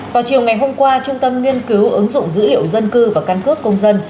vào chiều ngày hôm qua trung tâm nghiên cứu ứng dụng dữ liệu dân cư và căn cước công dân